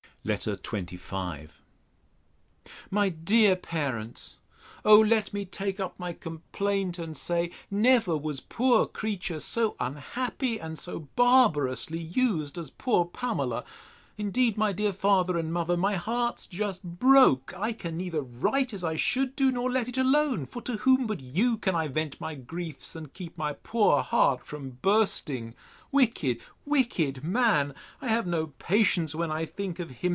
LETTER XXV MY DEAR PARENTS, O let me take up my complaint, and say, Never was poor creature so unhappy, and so barbarously used, as poor Pamela! Indeed, my dear father and mother, my heart's just broke! I can neither write as I should do, nor let it alone, for to whom but you can I vent my griefs, and keep my poor heart from bursting! Wicked, wicked man!—I have no patience when I think of him!